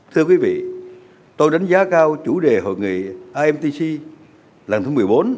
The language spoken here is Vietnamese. thưa quý vị tôi đánh giá cao chủ đề hội nghị imtc lần thứ một mươi bốn